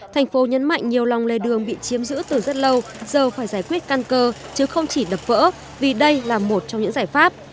thành phố nhấn mạnh nhiều lòng lề đường bị chiếm giữ từ rất lâu giờ phải giải quyết căn cơ chứ không chỉ đập vỡ vì đây là một trong những giải pháp